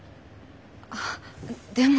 あっでも。